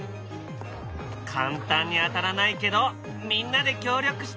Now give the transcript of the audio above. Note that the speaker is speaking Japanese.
簡単に当たらないけどみんなで協力して。